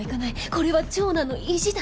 「これは長男の意地だ！」